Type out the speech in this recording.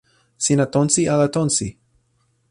sina tonsi ala tonsi?